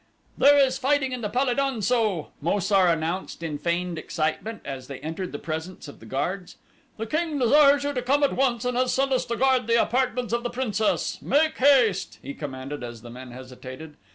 "There is fighting in the pal e don so," Mo sar announced in feigned excitement as they entered the presence of the guards. "The king desires you to come at once and has sent us to guard the apartments of the princess. Make haste!" he commanded as the men hesitated.